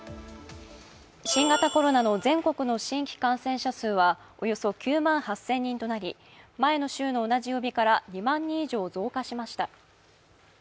新型コロナの全国の新規感染者数は、およそ９万８０００人となり、前の週の同じ曜日から２万人以上増加しました。